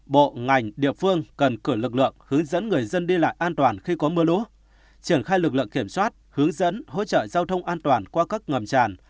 bộ ngành địa phương cần cử lực lượng hướng dẫn người dân đi lại an toàn khi có mưa lũ triển khai lực lượng kiểm soát hướng dẫn hỗ trợ giao thông an toàn qua các ngầm tràn